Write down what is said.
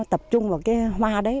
để nó tập trung vào cái hoa đấy